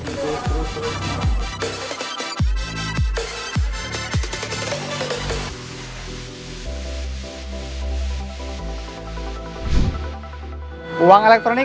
bagaimana cara menggunakan uang elektronik